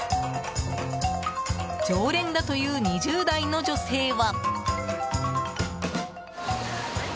常連だという２０代の女性は。